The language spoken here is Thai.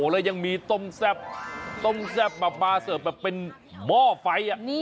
แล้วยังมีต้มแซ่บต้มแซ่บแบบมาเสิร์ฟแบบเป็นหม้อไฟ